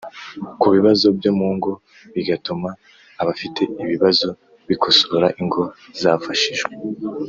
ku bibazo byo mu ngo bigatuma abafite ibibazo bikosora Ingo zafashijwe